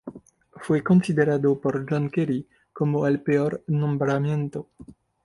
Fue considerado por John Kerry como "el peor nombramiento".